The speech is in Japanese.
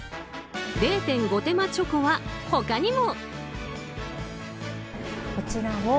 ０．５手間チョコは他にも。